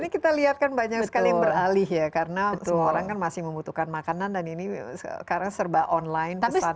ini kita lihat kan banyak sekali yang beralih ya karena semua orang kan masih membutuhkan makanan dan ini sekarang serba online pesannya